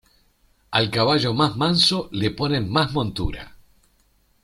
Al caballo más manso le ponen más montura.